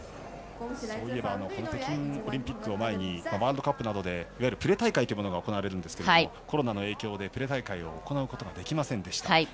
北京オリンピックの前にワールドカップなどでいわゆるプレ大会というものが行われるんですがコロナの影響でプレ大会を行うことができませんでした。